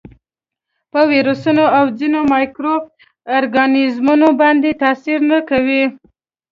په ویروسونو او ځینو مایکرو ارګانیزمونو باندې تاثیر نه کوي.